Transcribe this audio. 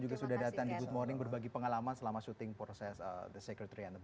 juga sudah datang di good morning berbagi pengalaman selama shooting proses the secret riana